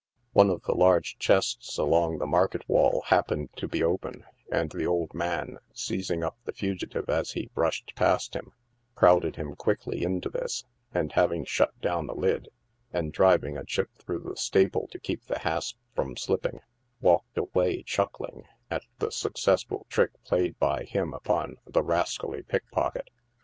One of the large chests along the market wall happened to be open, and the old man, seizing up the fugitive as he brushed past him, crowded him quickly into this, and, having shut down the lid, and driving a chip through the staple to keep the hasp from slipping, walked away, chuckling at the successful trick played by him upon the rascally pickpocket.